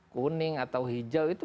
kuning atau hijau itu